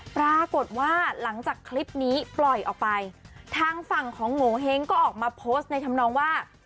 ปรากฏว่าหลังจากคลิปนี้ปล่อยออกไปทางฝั่งของโงเห้งก็ออกมาโพสต์ในธรรมนองว่า